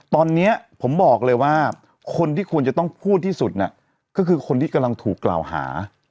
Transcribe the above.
ตอนนี้ผมบอกเลยว่าคนที่ควรจะต้องพูดที่สุดก็คือคนที่กำลังถูกกล่าวหา